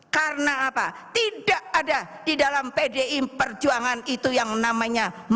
karena apa tidak ada di dalam pdi perjuangan itu yang namanya manuver